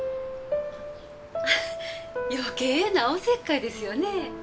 あ余計なおせっかいですよね。